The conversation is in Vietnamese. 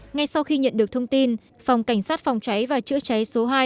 ngay sau khi nhận được thông tin phòng cảnh sát phòng cháy và chữa cháy số hai